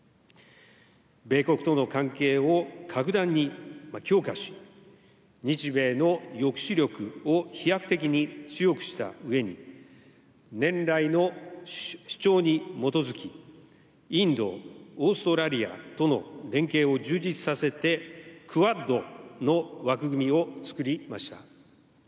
米国との関係を格段に強化し、日米の抑止力を飛躍的に強くしたうえに、年来の主張に基づき、インド、オーストラリアとの連携を充実させて、クアッドの枠組みを作りました。